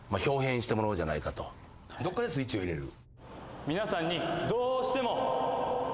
どっかでスイッチを入れる。